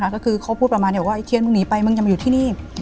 ก็คือเขาพูดประมาณว่าไอเคียนมึงหนีไปมึงอย่ามาอยู่ที่นี่